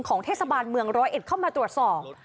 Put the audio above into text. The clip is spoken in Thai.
เทศบาลเมืองร้อยเอ็ดเข้ามาตรวจสอบ